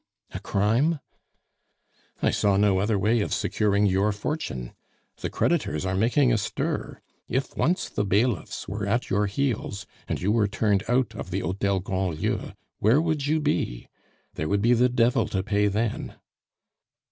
"A crime?" "I saw no other way of securing your fortune. The creditors are making a stir. If once the bailiffs were at your heels, and you were turned out of the Hotel Grandlieu, where would you be? There would be the devil to pay then."